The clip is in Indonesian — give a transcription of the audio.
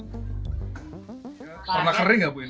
pernah kering gak bu ini